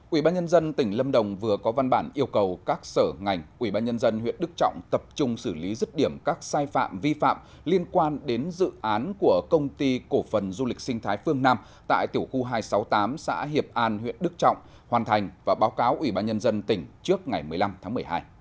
ubnd tỉnh lâm đồng vừa có văn bản yêu cầu các sở ngành ubnd huyện đức trọng tập trung xử lý rứt điểm các sai phạm vi phạm liên quan đến dự án của công ty cổ phần du lịch sinh thái phương nam tại tiểu khu hai trăm sáu mươi tám xã hiệp an huyện đức trọng hoàn thành và báo cáo ủy ban nhân dân tỉnh trước ngày một mươi năm tháng một mươi hai